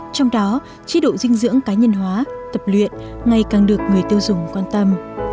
trong đó chế độ dinh dưỡng cá nhân hóa tập luyện ngày càng được người tiêu dùng quan tâm